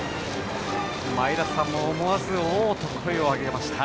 前田さんも思わずおお！と声を上げました。